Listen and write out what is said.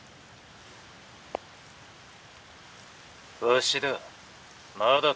「わしだ。